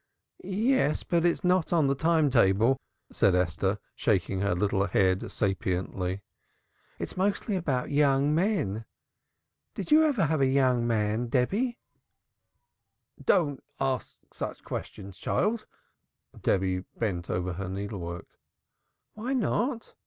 "Yes, but it's not on the Time Table," said Esther, shaking her little head sapiently. "It's mostly about young men. Did you ever have a young man, Debby?" "Don't don't ask such questions, child!" Debby bent over her needle work. "Why not?"